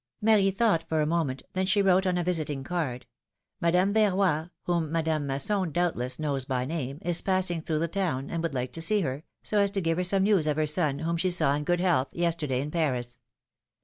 Marie thought for a moment, then she wrote on a visit ing card: Madame Verroy, whom Madame Masson, doubtless, knows by name, is passing through the town, and would like to see her, so as to give her some news of her son, whom she saw in good health yesterday in Paris."